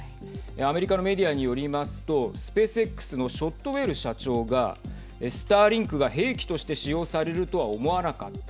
アメリカのメディアによりますとスペースＸのショットウェル社長がスターリンクが兵器として使用されるとは思わなかった。